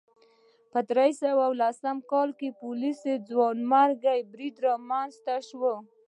په درې سوه لس کال کې پولیس ځواکونه رامنځته شول